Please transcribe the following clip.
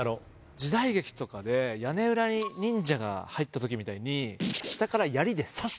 時代劇とかで屋根裏に忍者が入った時みたいに下から。